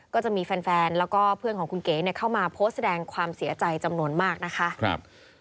ก็จะมีแฟนแล้วก็เพื่อนของคุณเก๋เข้ามาโพสต์แสดงความเสียใจจำนวนมากนะคะ